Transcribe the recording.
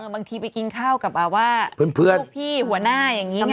บางทีไปกินข้าวกับพวกพี่หัวหน้าอย่างนี้ไง